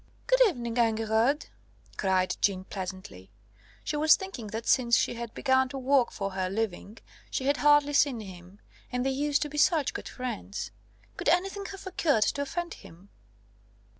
"Good evening, Enguerrand," cried Jeanne pleasantly; she was thinking that since she had begun to work for her living she had hardly seen him and they used to be such good friends. Could anything have occurred to offend him?